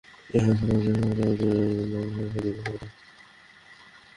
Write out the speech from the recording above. এখন শোনা যাচ্ছে সরকার অচিরেই অবসরের বয়স আরও দুই বছর বাড়াতে পারে।